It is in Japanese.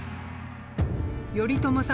頼朝様